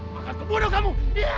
makan kebunuh kamu